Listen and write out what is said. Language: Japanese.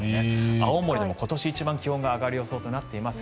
青森でも今年一番気温が上がる予想となっています。